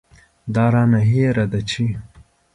دا رانه هېره ده چې.